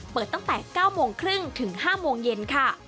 เปิดตั้งแต่๙โมงครึ่งถึง๕โมงเย็นค่ะ